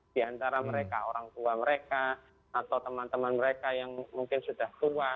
di antara mereka orang tua mereka atau teman teman mereka yang mungkin sudah tua